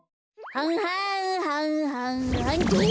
はんはんはんはんはんどわ！